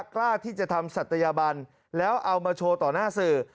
กล้าที่จะทำศัตยบันแล้วเอามาโชว์ต่อหน้าสื่อ